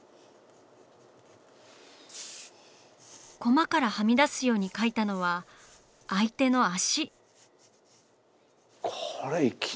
コマからはみ出すように描いたのは相手の足！